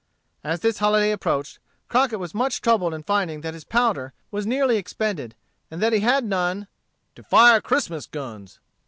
As this holiday approached, Crockett was much troubled in finding that his powder was nearly expended, and that he had none "to fire Christmas guns."